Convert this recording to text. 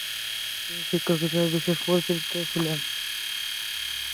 তিনি শিক্ষক হিসাবে বিশেষ পরিচিত ছিলেন ।